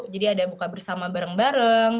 jadi ada buka bersama bareng bareng